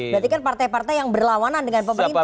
berarti kan partai partai yang berlawanan dengan pemerintah